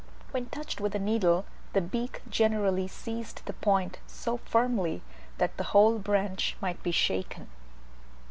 When touched with a needle, the beak generally seized the point so firmly, that the whole branch might be shaken.